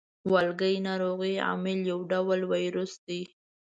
والګی ناروغۍ عامل یو ډول ویروس دی.